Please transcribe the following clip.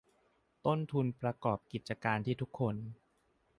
ต้นทุนประกอบกิจการที่ทุกคน